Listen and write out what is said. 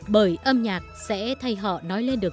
bởi âm nhạc sẽ thay họ nói lên được